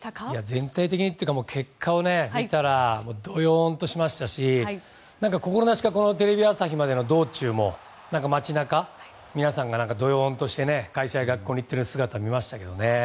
全体的にというか結果を見たらどよーんとしましたし心なしかテレビ朝日までの道中も街中、皆さんがどよーんとして会社や学校に行ってる姿を見ましたけどね。